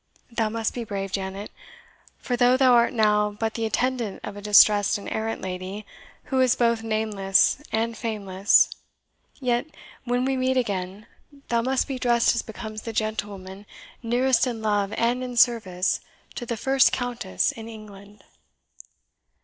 Thou must be brave, Janet; for though thou art now but the attendant of a distressed and errant lady, who is both nameless and fameless, yet, when we meet again, thou must be dressed as becomes the gentlewoman nearest in love and in service to the first Countess in England."